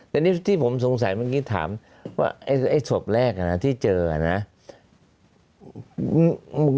จังหิตี้ผมสงสัยเมื่อกี้ถามว่าไอ้ศวับแรกที่เจอเน่า